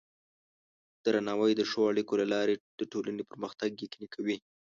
درناوی د ښو اړیکو له لارې د ټولنې پرمختګ یقیني کوي.